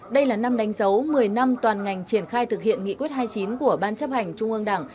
đây là năm đánh dấu một mươi năm toàn ngành triển khai thực hiện nghị quyết hai mươi chín của ban chấp hành trung ương đảng